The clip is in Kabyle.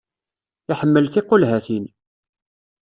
Iḥemmel tiqulhatin.